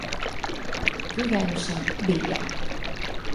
Fővárosa Béja.